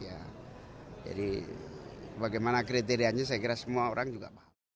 jadi bagaimana kriteriannya saya kira semua orang juga